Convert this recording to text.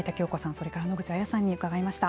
それから野口亜弥さんに伺いました。